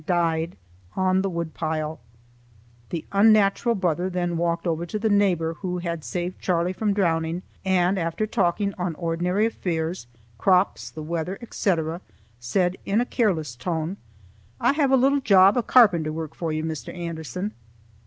After all was over, the stoical brother walked over to the neighbor who had saved Charlie from drowning, and, after talking on ordinary affairs, crops, the weather, etc., said in a careless tone: "I have a little job of carpenter work for you, Mr. Anderson."